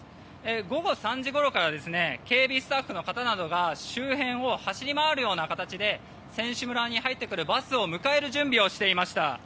午後３時ごろから警備スタッフの方などが周辺を走り回るような形で選手村に入ってくるバスを迎える準備をしていました。